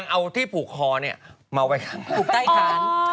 มัวไว้ข้างล่าง